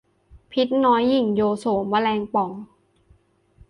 พิษน้อยหยิ่งโยโส แมลงป่อง